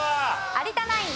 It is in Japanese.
有田ナイン